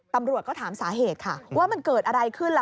ตำรวจก็ถามสาเหตุค่ะว่ามันเกิดอะไรขึ้นล่ะ